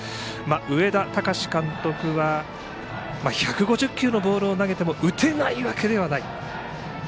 上田崇監督は１５０球のボールを投げても打てないわけではない。